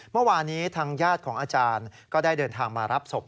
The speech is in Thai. เมื่อวานี้ทางญาติของอาจารย์ก็ได้เดินทางมารับศพ